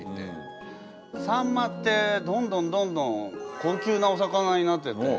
さんまってどんどんどんどん高級なお魚になってて。